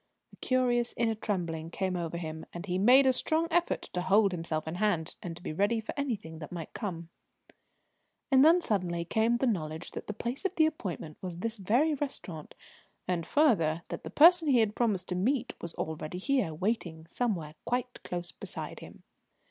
A curious inner trembling came over him, and he made a strong effort to hold himself in hand and to be ready for anything that might come. And then suddenly came the knowledge that the place of appointment was this very restaurant, and, further, that the person he had promised to meet was already here, waiting somewhere quite close beside him.